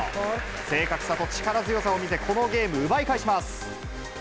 正確さと力強さを見せ、このゲーム、奪い返します。